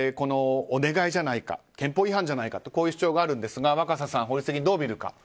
お願いじゃないか憲法違反じゃないかというこういう主張がありますが若狭さんが法律的にどう見るか。